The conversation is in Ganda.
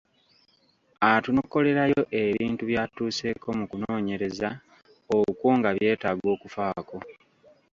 Atunokolerayo ebintu by’atuuseeko mu kunoonyereza okwo nga byetaaga okufaako.